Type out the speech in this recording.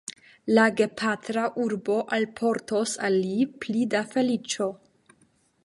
La gepatra urbo alportos al li pli da feliĉo.